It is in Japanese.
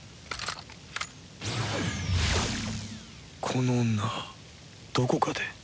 この女どこかで